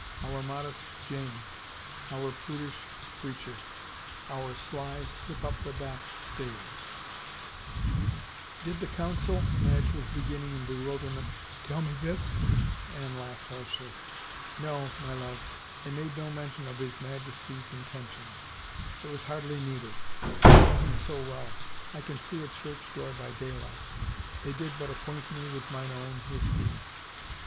Our modest Jane; our prudish preacher. Our sly Slip up the Back Stairs !" 324 A BLOW IN THE DARK " Did the council —" Madge was beginning in bewil derment. *'Tell me this?'* Anne laughed harshly. "No, my love, they made no mention of his Majesty's intentions. It was hardly needed — I know him so well ! I can see a church door by daylight. They did but acquaint me with mine own misdeeds.